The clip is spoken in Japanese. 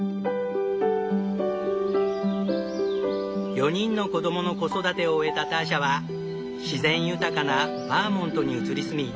４人の子供の子育てを終えたターシャは自然豊かなバーモントに移り住み